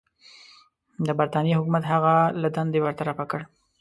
د برټانیې حکومت هغه له دندې برطرفه کړ.